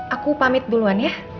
aku pamit duluan ya